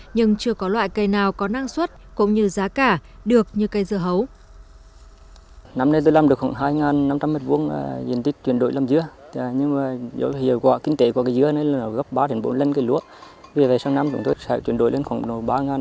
nhưng chưa có loại cây nào có năng suất cũng như giá cả được như cây dưa hấu